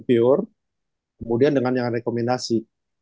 pure kemudian dengan yang rekomendasi